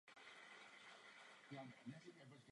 Máme z toho pak trénovací data.